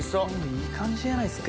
いい感じじゃないっすか。